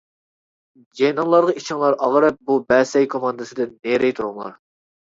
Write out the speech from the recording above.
جېنىڭلارغا ئىچىڭلار ئاغرىپ بۇ بەسەي كوماندىسىدىن نېرى تۇرۇڭلار.